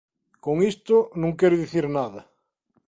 Con isto non quero dicir nada".